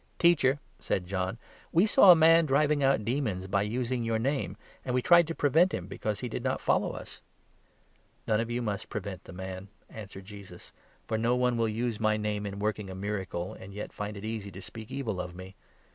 " On " Teacher," said John, " we saw a man driving 38 Toleration, out demons by using your name, and we tried to prevent him, because he did not follow us." "None of you must prevent the man," answered Jesus, 39 " for no one will use my name in working a miracle, and yet find it easy to speak evil of me.